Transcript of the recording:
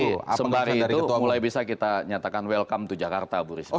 tapi sembari itu mulai bisa kita nyatakan welcome to jakarta bu risma